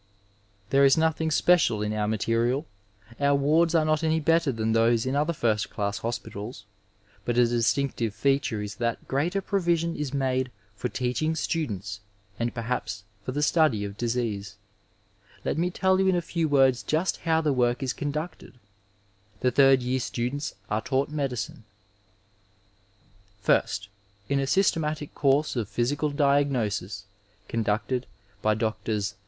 There is nothing special in our material, our wards are not any better than those in other first dass hospitals, but a distinctive feature is that greater provision is made for teaching students and p^haps for the stody of disease. Let me tell youina few words just how the 886 Digitized by Google THE HOSPITAL AS A COLLEGE work is conducted. The ihiid year studentB are taught medicine: Firsts in a ByBtematio course of physical diagnosis con ducted by Dts.